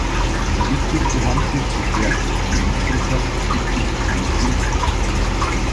Die wichtigste Handschrift des Werks, die Innsbrucker, liegt digitalisiert vor.